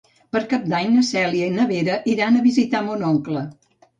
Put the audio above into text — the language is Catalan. Per Cap d'Any na Cèlia i na Vera iran a visitar mon oncle.